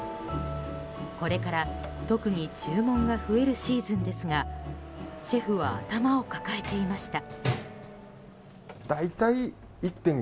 これから、特に注文が増えるシーズンですがシェフは頭を抱えていました。